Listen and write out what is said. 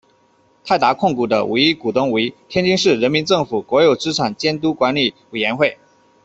泰达控股的唯一股东为天津市人民政府国有资产监督管理委员会。